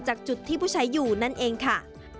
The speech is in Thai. จากจุดที่ผู้ใช้อยู่นั่นเองค่ะ